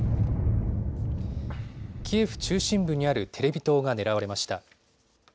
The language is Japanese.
キエフ中心部にあるテレビ塔が狙われました。